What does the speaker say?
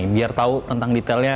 biar tahu tentang detailnya